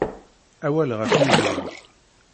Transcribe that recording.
Awal ɣef yidrimen.